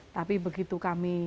tapi begitu kami